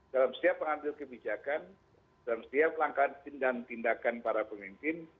dalam setiap pengambil kebijakan dalam setiap langkah dan tindakan para pemimpin